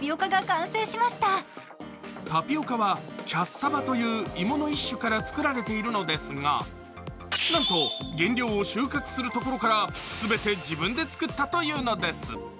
タピオカは、キャッサバという芋の一種から作られているのですがなんと原料を収穫するところから全て自分で作ったというんです。